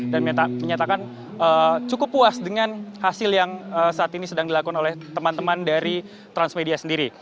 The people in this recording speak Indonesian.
menyatakan cukup puas dengan hasil yang saat ini sedang dilakukan oleh teman teman dari transmedia sendiri